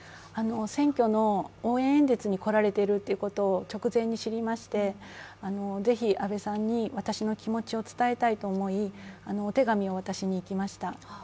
選挙の応援演説に来られているということを直前に知りまして、ぜひ安倍さんに私の気持ちを伝えたいと思い、お手紙を渡しに行きました。